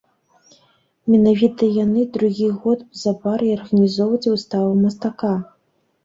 Менавіта яны другі год запар і арганізоўваюць выставу мастака.